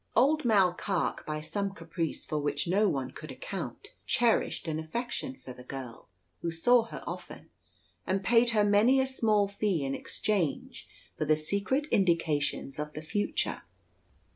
Old Mall Carke, by some caprice for which no one could account, cherished an affection for the girl, who saw her often, and paid her many a small fee in exchange for the secret indications of the future.